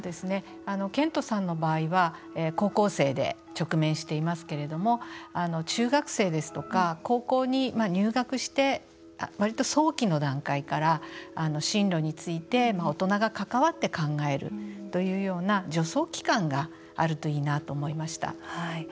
健人さんの場合は高校生で直面していますけれども中学生ですとか、高校に入学して割と早期の段階から進路について大人が関わって考えるというような助走期間があるといいなと思いました。